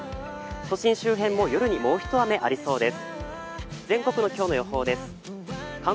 都心周辺も夜にもう一雨ありそうです。